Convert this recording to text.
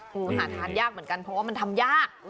คือหาทานยากเหมือนกันเพราะว่ามันทำยาก